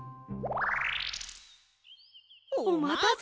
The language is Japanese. おまたせ！